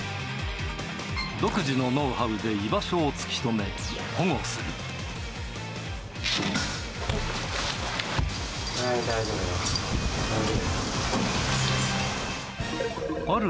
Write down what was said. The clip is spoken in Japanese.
独自のノウハウで居場所を突き止め、保護する。